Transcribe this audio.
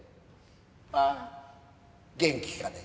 あっ元気かね？